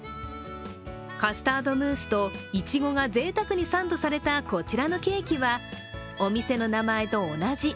カスタードムースといちごがぜいたくにサンドされたこちらのケーキはお店の名前と同じ。